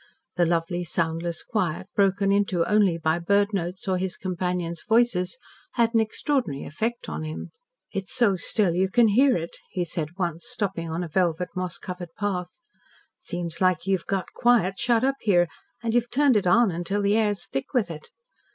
The lovely, soundless quiet, broken into only by bird notes, or his companions' voices, had an extraordinary effect on him. "It's so still you can hear it," he said once, stopping in a velvet, moss covered path. "Seems like you've got quiet shut up here, and you've turned it on till the air's thick with it.